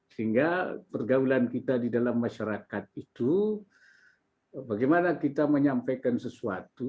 sehingga pergaulan kita di dalam masyarakat itu bagaimana kita menyampaikan sesuatu